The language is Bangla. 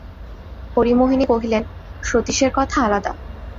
হরিমোহিনী কহিলেন, সতীশের কথা আলাদা।